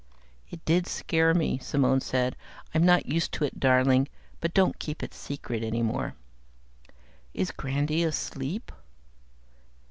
"It did scare me," Simone said. "I'm not used to it, darling. But don't keep it secret any more." "Is Grandy asleep?"